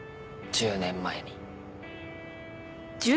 １０年前？